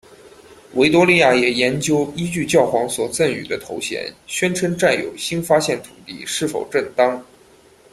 维多利亚也研究依据教皇所赠与的头衔宣称占有新发现土地是否正当。